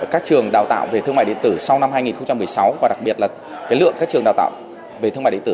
các trường đào tạo về thương mại điện tử sau năm hai nghìn một mươi sáu và đặc biệt là lượng các trường đào tạo về thương mại điện tử